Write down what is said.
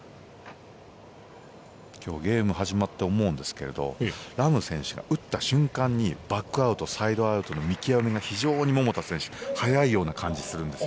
今日、ゲーム始まって思うんですけれどラム選手が打った瞬間にバックアウト、サイドアウトの見極めが、桃田選手早いような感じがするんです。